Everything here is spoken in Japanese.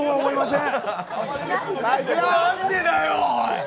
何でだよ！